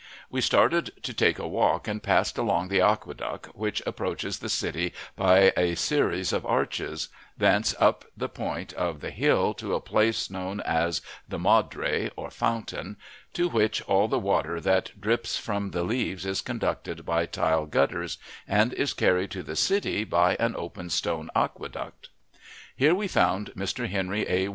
We started to take a walk, and passed along the aqueduct, which approaches the city by a aeries of arches; thence up the point of the hill to a place known as the Madre, or fountain, to which all the water that drips from the leaves is conducted by tile gutters, and is carried to the city by an open stone aqueduct. Here we found Mr. Henry A.